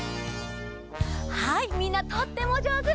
はいみんなとってもじょうず！